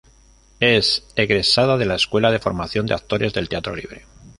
Es egresada de la Escuela de Formación de Actores del Teatro Libre.